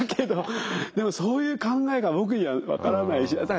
でもそういう考えが僕には分からないし。